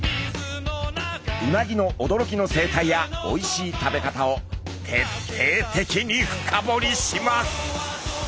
うなぎの驚きの生態やおいしい食べ方をてってい的に深ぼりします！